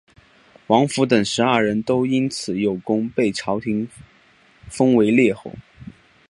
王甫等十二人都因此有功被朝廷封为列侯。